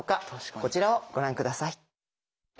こちらをご覧下さい。